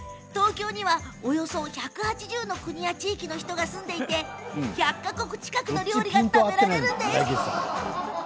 東京にはおよそ１８０の国や地域の人が住んでいて１００か国近くの料理が食べられるんです。